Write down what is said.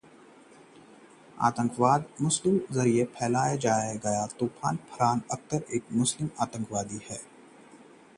तूफान की तूफानी तैयारी, खूब पसीना बहा रहे हैं फरहान अख्तर